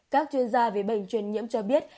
các chuyên gia về bệnh truyền nhiễm cho biết